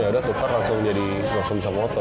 yaudah tukar langsung jadi langsung bisa moto